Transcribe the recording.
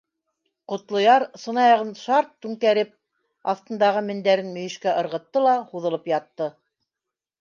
Ҡотлояр, сынаяғын шарт түңкәреп, аҫтындағы мендәрен мөйөшкә ырғытты ла һуҙылып ятты.